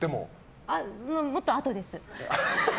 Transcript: もっとあとです。